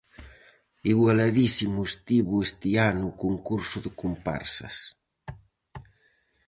Igualadísimo estivo este ano o concurso de comparsas.